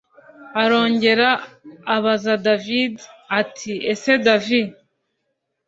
arongera abaza david ati ese dav